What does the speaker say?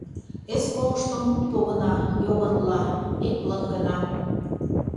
Эспоошто мут погына Йогынла — эплын гына.